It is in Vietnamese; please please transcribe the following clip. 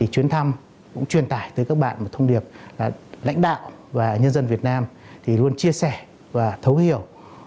chuyến thăm cũng truyền tải tới các bạn một thông điệp là lãnh đạo và nhân dân việt nam luôn chia sẻ và thấu hiểu